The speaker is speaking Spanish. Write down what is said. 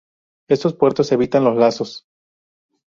Estos puertos evitan los lazos.